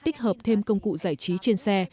tích hợp thêm công cụ giải trí trên xe